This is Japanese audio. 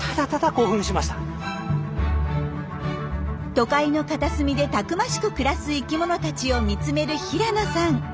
都会の片隅でたくましく暮らす生きものたちを見つめる平野さん。